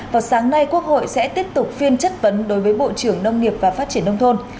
vào sáng nay quốc hội sẽ tiếp tục phiên chất vấn đối với bộ trưởng nông nghiệp và phát triển nông thôn